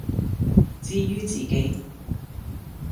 至于自己，